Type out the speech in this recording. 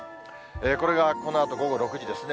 これがこのあと午後６時ですね。